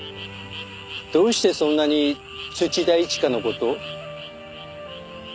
どうしてそんなに土田一花の事を？